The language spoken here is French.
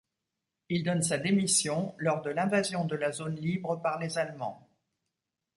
Il donne sa démission lors de l'invasion de la zone libre par les Allemands.